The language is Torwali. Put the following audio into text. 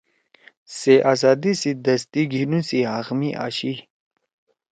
سے آزادی سی دَستی گھینُو سی حق می آشی